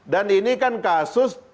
dan ini kan kasus